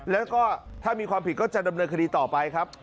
แล้วก็ถ้ามีความผิดก็จะดำเนินคดีต่อไปครับ